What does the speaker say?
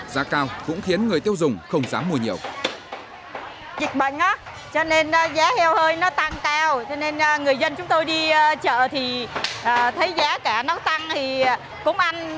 giá cao cũng khiến người tiêu dùng không dám mua nhiều